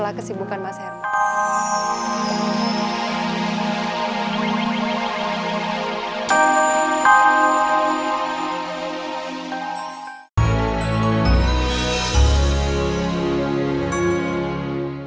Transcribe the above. sila kesibukan mas herman